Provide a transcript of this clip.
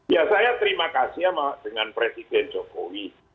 ya saya terima kasih sama dengan presiden jokowi